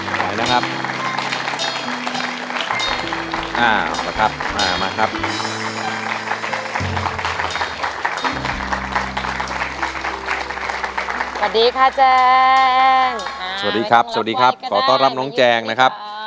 สวัสดีค่ะแจงสวัสดีครับสวัสดีครับขอต้อนรับน้องแจงนะครับ